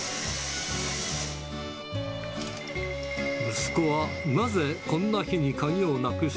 息子はなぜこんな日に鍵をなくし